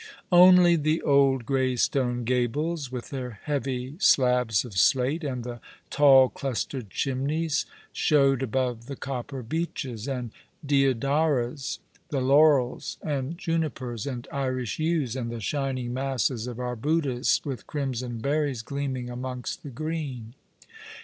Only the old grey stone gables, with their heavy slabs of slate, and the tall, clustered chimneys, showed above the copper beeches, and deodaras, the laurels, and junipers, and Irish yews, and the shiuiDg masses of arbutus with crimson berries gleaming amongst the green.